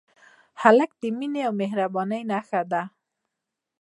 هلک د مینې او مهربانۍ نښه ده.